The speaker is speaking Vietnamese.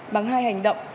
bằng hai hành động